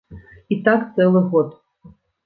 І так цэлы год.